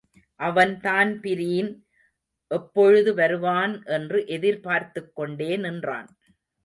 அவன் தான்பிரீன் எப்பொழுது வருவான் என்று எதிர்பார்த்துக்கொண்டே நின்றான்.